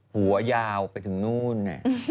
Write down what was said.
หัวยาวไปถึงนู่น